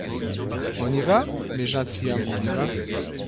On y va, mes gentilshommes, on y va.